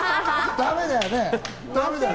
だめだよね。